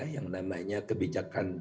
yang namanya kebijakan